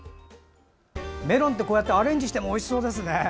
メロンってこうやってアレンジしてもおいしそうですね。